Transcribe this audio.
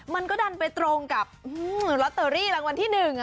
มันก็ดันไปตรงกับลอตเตอรี่รางวัลที่๑